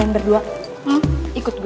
kalian berdua ikut gue